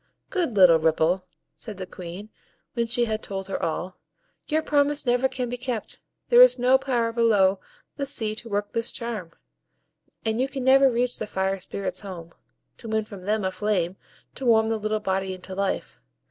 "Good little Ripple," said the Queen, when she had told her all, "your promise never can be kept; there is no power below the sea to work this charm, and you can never reach the Fire Spirits' home, to win from them a flame to warm the little body into life.